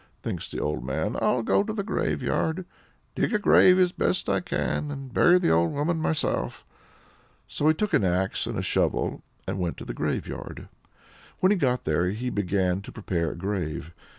thinks the old man. "I'll go to the graveyard, dig a grave as I best can, and bury the old woman myself." So he took an axe and a shovel, and went to the graveyard. When he got there he began to prepare a grave.